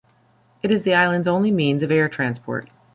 It is the island's only means of air transport.